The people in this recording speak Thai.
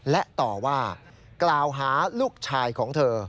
และต่อว่ากล่าวหาลูกชายของเธอ